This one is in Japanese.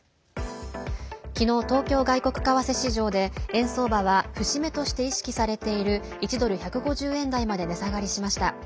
昨日、東京外国為替市場で円相場は節目として意識されている１ドル＝１５０円台まで値下がりしました。